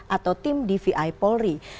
atau tim dvi polri